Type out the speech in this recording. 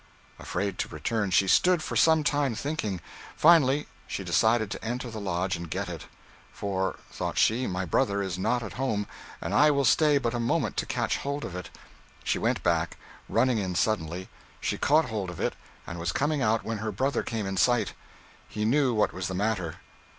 Afraid to return, she stood for some time thinking. Finally, she decided to enter the lodge and get it. For, thought she, my brother is not at home, and I will stay but a moment to catch hold of it. She went back. Running in suddenly, she caught hold of it, and was coming out when her brother came in sight. He knew what was the matter.